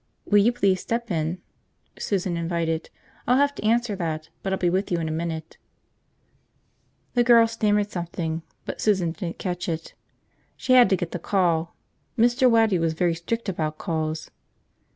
"Will you please step in?" Susan invited. "I'll have to answer that, but I'll be with you in a minute." The girl stammered something, but Susan didn't catch it. She had to get the call. Mr. Waddy was very strict about calls.